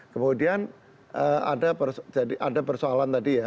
kemudian ada persoalan tadi ya